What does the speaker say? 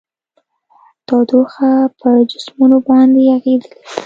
تودوخه پر جسمونو باندې اغیزې لري.